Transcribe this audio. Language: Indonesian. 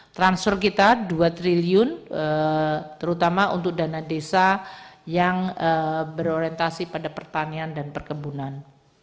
transfer kita dua triliun terutama untuk dana desa yang berorientasi pada pertanian dan perkebunan